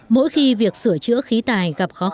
mỗi khi việc sửa chữa khí tài gặp khóa